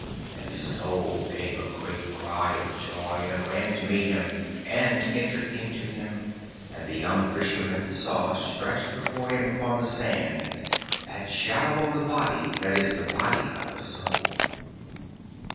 And his Soul gave a great cry of joy and ran to meet him, and entered into him, and the young Fisherman saw stretched before him upon the sand that shadow of the body that is the body of the Soul.